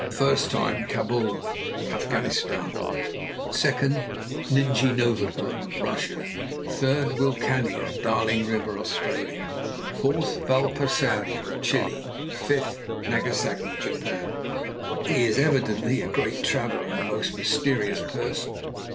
"First time, Cabul, Afghanistan; second, Nijni Novgorod, Russia; third, Wilcannia, Darling River, Australia; fourth, Valparaiso, Chili; fifth, Nagasaki, Japan." "He is evidently a great traveller and a most mysterious person."